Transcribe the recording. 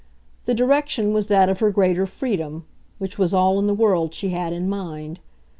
The direction was that of her greater freedom which was all in the world she had in mind.